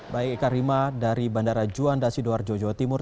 baik eka rima dari bandara juandasi doar jawa timur